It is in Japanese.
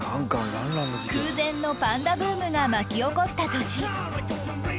空前のパンダブームが巻き起こった年